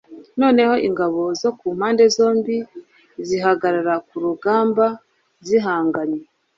Noneho ingabo zo ku mpande zombie zihagarara ku rugamba zihanganye